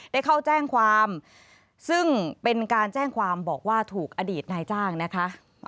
ได้เข้าแจ้งความซึ่งเป็นการแจ้งความบอกว่าถูกอดีตนายจ้างนะคะ